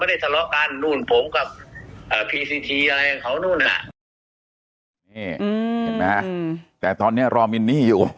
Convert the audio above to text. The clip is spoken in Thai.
นี่เห็นไหมแต่ตอนนี้รอมินนี่อยู่